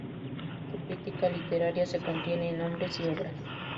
Su crítica literaria se contiene en "Hombres y obras".